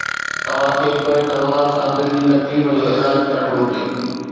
توهان کي پڻ تلوار سان دل جي تڪليف جو علاج ڪرڻ گهرجي